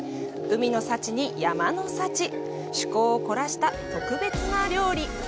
海の幸に山の幸趣向を凝らした特別な料理。